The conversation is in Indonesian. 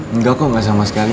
enggak kok nggak sama sekali